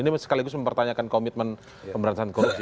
ini sekaligus mempertanyakan komitmen pemberantasan korupsi